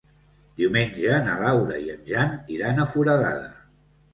Diumenge na Laura i en Jan iran a Foradada.